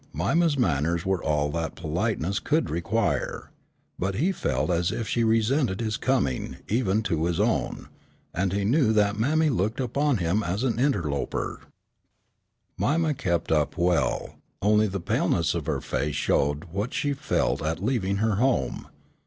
Mima's manners were all that politeness could require, but he felt as if she resented his coming even to his own, and he knew that mammy looked upon him as an interloper. [Illustration: "MAMMY PEGGY CAME MARCHING IN LIKE A GRENADIER."] Mima kept up well, only the paleness of her face showed what she felt at leaving her home.